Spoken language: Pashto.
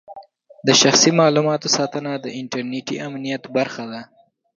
د شخصي معلوماتو ساتنه د انټرنېټي امنیت برخه ده.